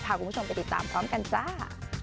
คุณผู้ชมไปติดตามพร้อมกันจ้า